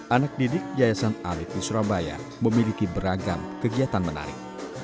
anak didik yayasan alit di surabaya memiliki beragam kegiatan menarik